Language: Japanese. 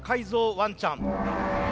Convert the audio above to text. ワンちゃん。